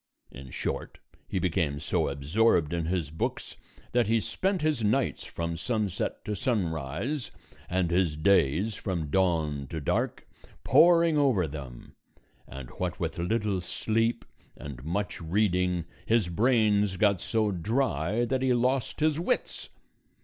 In short, he became so absorbed in his books that he spent his nights from sunset to sunrise, and his days from dawn to dark, poring over them; and what with little sleep and much reading his brains got so dry that he lost his wits.